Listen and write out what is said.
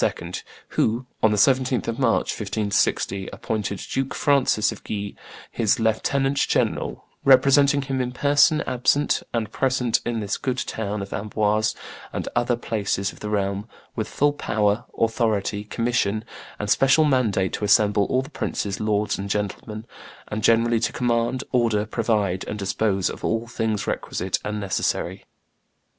who, on the 17th of March, 1560, appointed Duke Francis of Guise "his lieutenant general, representing him in person absent and present in this good town of Amboise and other places of the realm, with full power, authority, commission, and special mandate to assemble all the princes, lords, and gentlemen, and generally to command, order, provide, and dispose of all things requisite and necessary."